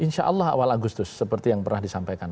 insya allah awal agustus seperti yang pernah disampaikan